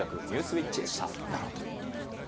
イッチでした。